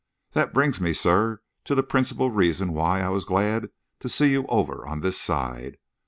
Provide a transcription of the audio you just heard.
That brings me, sir, to the principal reason why I was glad to see you over on this side.